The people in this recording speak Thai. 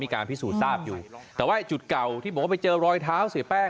การพิสูจน์ทราบอยู่แต่ว่าจุดเก่าที่บอกว่าไปเจอรอยเท้าเสียแป้ง